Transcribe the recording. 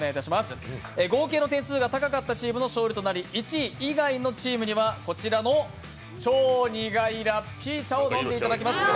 合計の点数が高かったチームの勝利となり、１位以外のチームにはこちらの超苦いラッピー茶を飲んでいただきます。